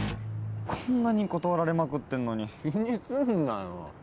こんなに断られまくってんのに気にすんなよ